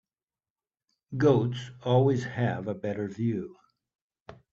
Goats always have a better view.